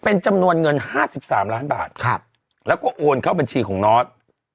เป็นจำนวนเงินห้าสิบสามล้านบาทครับแล้วก็โอนเข้าบัญชีของนอร์ด